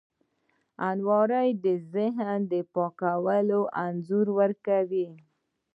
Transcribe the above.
الماري د ذهن پاکوالي انځور ورکوي